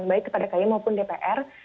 baik kepada kay maupun dpr